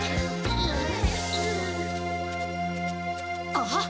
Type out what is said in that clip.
あっ！